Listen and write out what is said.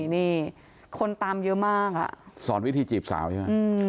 นี่คนตามเยอะมากสอนวิธีจีบสาวใช่ไหม